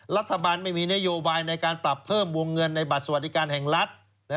รัฐบาลไม่มีนโยบายในการปรับเพิ่มวงเงินในบัตรสวัสดิการแห่งรัฐ